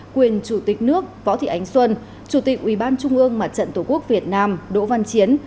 nguyên chủ tịch nước võ thị ánh xuân chủ tịch ubnd mặt trận tổ quốc việt nam đỗ văn chiến